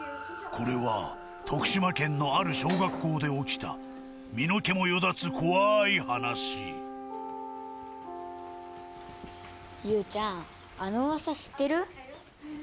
これは徳島県のある小学校で起きた身の毛もよだつ怖い話ユウちゃんあの噂知ってる？